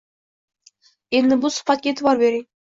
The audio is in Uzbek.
Endi bu suhbatga e`tibor bering